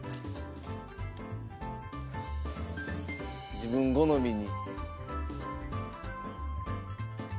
自分好みに。